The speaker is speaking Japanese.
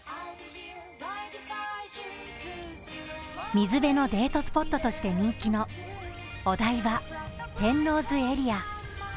水辺のデートスポットとして人気のお台場・天王洲エリア。